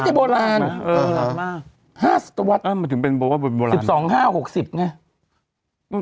เออหมากมากห้าสุตวรรษมันถึงเป็นโบราณสิบสองห้าหกสิบไง